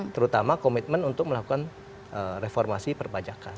terutama komitmen untuk melakukan reformasi perpajakan